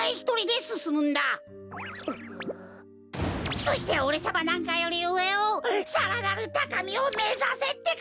そしておれさまなんかよりうえをさらなるたかみをめざせってか！